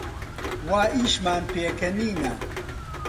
وا ئیشمان پێکەنینە